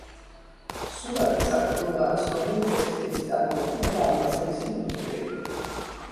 სურატი საქვეყნოდაა ცნობილი ტექსტილის წარმოებითა და ალმასების ინდუსტრიით.